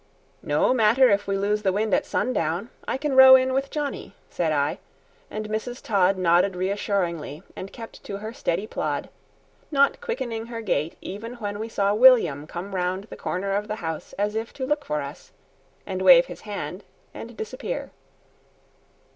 "No matter if we lose the wind at sundown; I can row in with Johnny," said I; and Mrs. Todd nodded reassuringly and kept to her steady plod, not quickening her gait even when we saw William come round the corner of the house as if to look for us, and wave his hand and disappear.